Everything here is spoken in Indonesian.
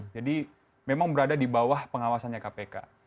jadi memang berada di bawah pengawasannya kpk